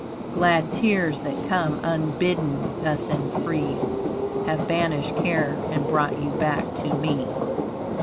Glad tears that come unbidden thus and free Have banished care and brought you back to me.